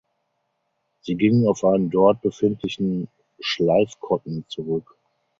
Sie ging auf einen dort befindlichen Schleifkotten zurück.